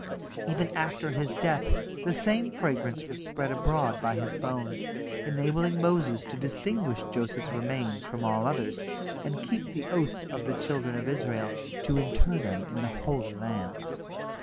Even after his death the same fragrance was spread abroad by his bones, enabling Moses to distinguish Joseph's remains from all others, and keep the oath of the children of Israel, to inter them in the Holy Land.